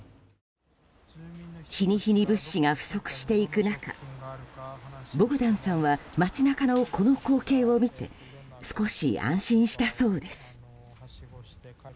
日に日に、物資が不足していく中ボグダンさんは街中のこの光景を見て少し安心したそうです。